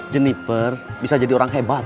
jenniper bisa jadi orang hebat